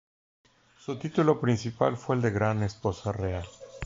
Su título principal fue el de Gran Esposa Real.